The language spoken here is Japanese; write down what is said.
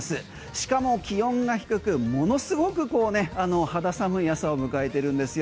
しかも気温が低くものすごく肌寒い朝を迎えてるんですよ。